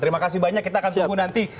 terima kasih banyak kita akan tunggu nanti